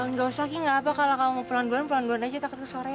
gak usah ki gak apa kalau kamu mau pelan pelan pelan pelan aja takut ke sore ya